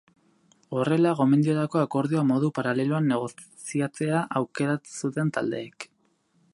Horrela, gomendiorako akordioa modu paraleloan negoziatzea aukeratu zuten taldeek.